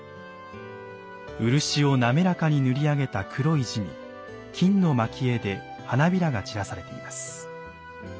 漆を滑らかに塗り上げた黒い地に金の蒔絵で花びらが散らされています。